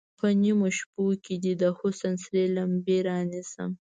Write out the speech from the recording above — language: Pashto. په نیمو شپو کې دې، د حسن سرې لمبې رانیسم